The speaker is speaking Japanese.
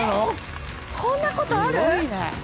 こんなことある？